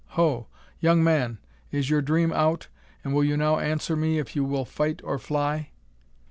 ho! young man, is your dream out, and will you now answer me if you will fight or fly?"